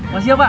masih ya pak